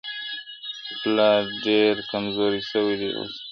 پلار ډېر کمزوری سوی دی اوس,